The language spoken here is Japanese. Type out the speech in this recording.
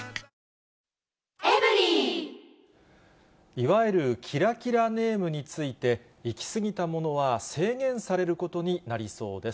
いわゆるキラキラネームについて、行き過ぎたものは制限されることになりそうです。